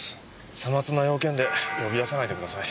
瑣末な用件で呼び出さないでください。